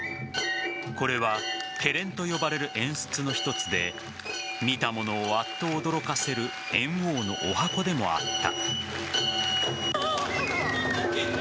これは、けれんと呼ばれる演出の一つで見た者をあっと驚かせる猿翁の十八番でもあった。